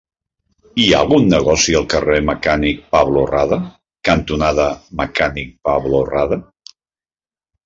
Hi ha algun negoci al carrer Mecànic Pablo Rada cantonada Mecànic Pablo Rada?